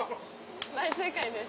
大正解です。